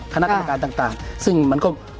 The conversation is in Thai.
คณะกรรมการต่างซึ่งมันก็